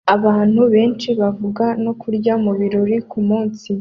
Abantu benshi bavuga no kurya mubirori kumunsi